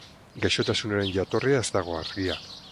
Gaixotasunaren jatorria ez dago argia.